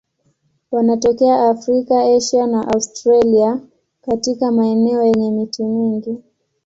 Wanatokea Afrika, Asia na Australia katika maeneo yenye miti mingi.